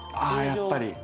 あやっぱり。